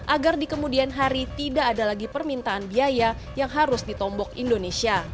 agar di kemudian hari tidak ada lagi permintaan biaya yang harus ditombok indonesia